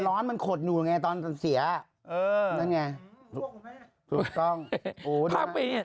มันร้อนมันขดหนูไงตอนเสียเออนั่นไงพูดต้องพักไปเนี้ย